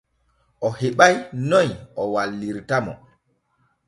O heɓa'i noy o wallirta mo.